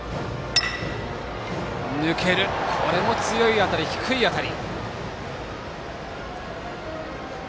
強い当たり、低い当たり。